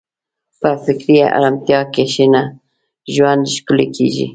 په فکري ارامتیا کښېنه، ژوند ښکلی کېږي.